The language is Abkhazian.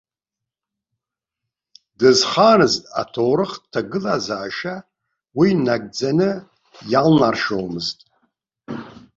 Дызхааныз аҭоурыхтә ҭагылазаашьа уи нагӡаны иалнаршомызт.